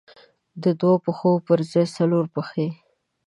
د دوو پښو پر ځای څلور پښې.